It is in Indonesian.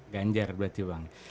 ganjar berarti bang